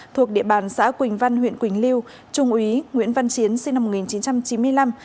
thuộc địa bàn xã quỳnh văn huyện quỳnh lưu trung úy nguyễn văn chiến sinh năm một nghìn chín trăm chín mươi năm